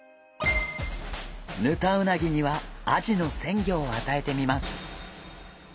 ヌタウナギにはアジの鮮魚をあたえてみます。